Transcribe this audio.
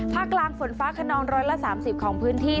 ภาคกลางฝนฟ้าคนนร้อยละ๓๐ของพื้นที่